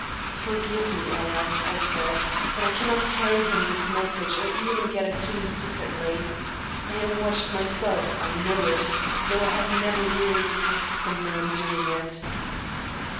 "Forgive me, Ella," I said, "but I cannot carry him this message or even get it to him secretly. I am watched myself; I know it, though I have never really detected the man doing it."